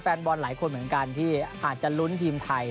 แฟนบอลหลายคนเหมือนกันที่อาจจะลุ้นทีมไทย